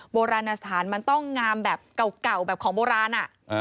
โบราณสถานมันต้องงามแบบเก่าแบบของโบราณ